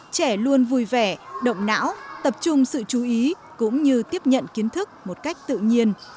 trẻ luôn vui vẻ động não tập trung sự chú ý cũng như tiếp nhận kiến thức một cách tự nhiên